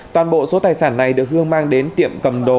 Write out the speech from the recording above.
toàn bộ số tài sản này được hương mang đến tiệm cầm đồ